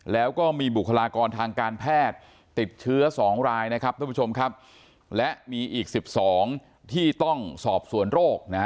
แล้วก็มีบุคลากรทางการแพทย์ติดเชื้อ๒รายนะครับและมีอีก๑๒ที่ต้องสอบส่วนโรค